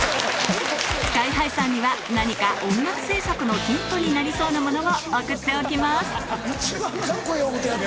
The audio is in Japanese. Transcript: ＳＫＹ−ＨＩさんには何か音楽制作のヒントになりそうなものを送っておきます